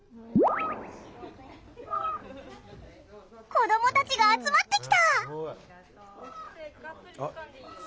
子どもたちが集まってきた！